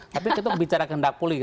tapi itu bicara kehendak politik